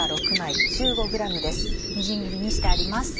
みじん切りにしてあります。